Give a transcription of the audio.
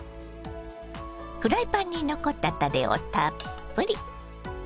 フライパンに残ったたれをたっぷり。